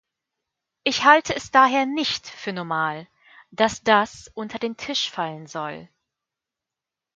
Ich halte es daher nicht für normal, dass das unter den Tisch fallen soll.